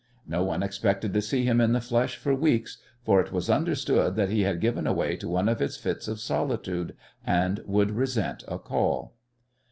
No one expected to see him in the flesh for weeks, for it was understood that he had given way to one of his fits of solitude and would resent a call.